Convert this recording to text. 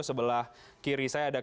sebelah kiri saya ada kang sampai